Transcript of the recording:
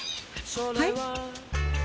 はい？